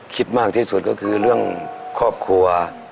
คิดมากที่สุดก็คือเรื่องครอบครัว